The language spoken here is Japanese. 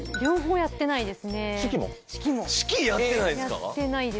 やってないです。